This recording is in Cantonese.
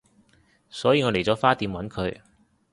所以我嚟咗花店搵佢